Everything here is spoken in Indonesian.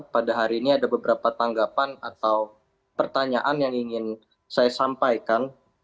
pada hari ini ada beberapa tanggapan atau pertanyaan yang ingin saya sampaikan